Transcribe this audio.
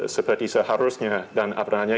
seperti seharusnya dan apa namanya